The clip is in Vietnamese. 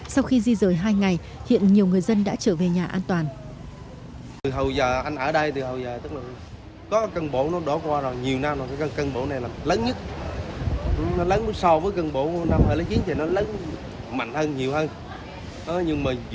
sau khi di rời hai ngày hiện nhiều người dân đã trở về nhà an toàn